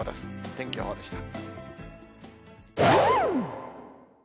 天気予報でした。